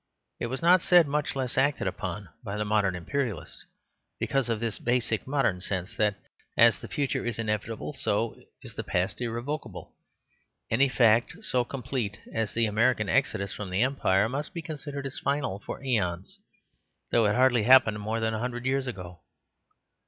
It was not said, much less acted upon, by the modern Imperialists; because of this basic modern sense, that as the future is inevitable, so is the past irrevocable. Any fact so complete as the American exodus from the Empire must be considered as final for æons, though it hardly happened more than a hundred years ago.